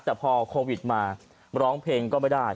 แต่พอโควิดมาร้องเพลงก็ไม่ได้